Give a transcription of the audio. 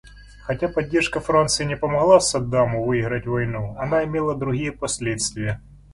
Хотя поддержка Франции не помогла Саддаму выиграть войну, она имела другие последствия.